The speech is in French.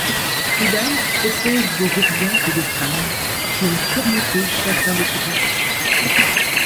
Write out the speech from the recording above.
Friedan propose des exemples de femmes qui ont surmonté chacun de ces conflits.